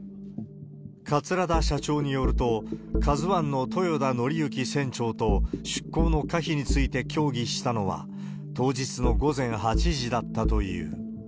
桂田社長によると、ＫＡＺＵＩの豊田徳幸船長と出港の可否について協議したのは、当日の午前８時だったという。